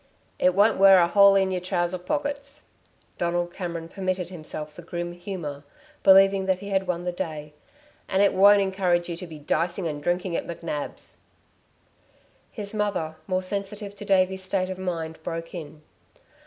"It won't wear a hole in y'r trousers pockets." Donald Cameron permitted himself the grim humour, believing that he had won the day. "And it won't encourage you to be dicing and drinking at McNab's." His mother, more sensitive to Davey's state of mind, broke in.